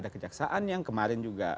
kejaksaan yang kemarin juga